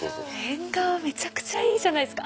縁側めちゃくちゃいいじゃないですか！